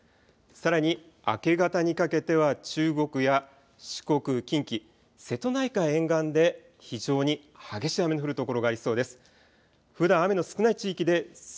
さらに明け方にかけては中国や四国、近畿、瀬戸内海沿岸で非常に激しい雨の降る所がありそうです。